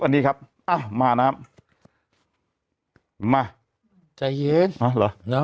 อันนี้ครับอ่ะมานะครับใจเย็นหรอ